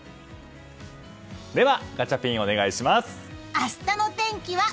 ではガチャピン、お願いします。